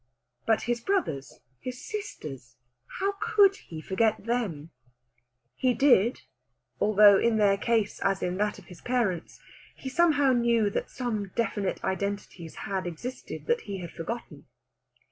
But his brothers, his sisters, how could he forget them? He did, although in their case, as in that of his parents, he somehow knew that some definite identities had existed that he had forgotten.